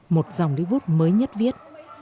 một dòng lưu bút mới nhất viết